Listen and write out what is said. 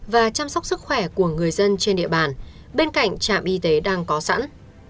và chăm sóc sức khỏe của người dân trên địa bàn bên cạnh trạm y tế đang có sẵn